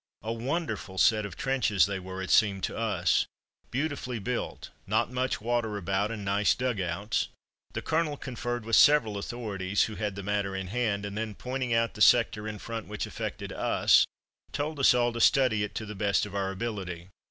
A wonderful set of trenches they were, it seemed to us; beautifully built, not much water about, and nice dug outs. The Colonel conferred with several authorities who had the matter in hand, and then, pointing out the sector in front which affected us, told us all to study it to the best of our ability.